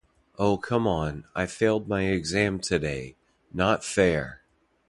Oh come on, I failed my exam today! Not fair!